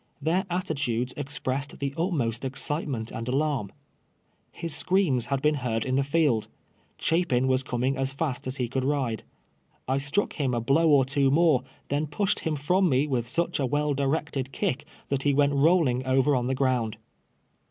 Their attitudes expressed the utmost excitement and alarm. His screams had been heard in the field. Chapin was coming as fast as he could ride. I struck him a blow or two more, then pushed him from me with such a well directed kick that he went rolling over on the ground.